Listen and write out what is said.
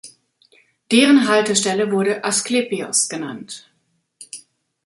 Deren Haltestelle wurde "Asklepios" genannt.